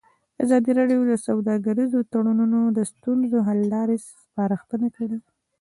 ازادي راډیو د سوداګریز تړونونه د ستونزو حل لارې سپارښتنې کړي.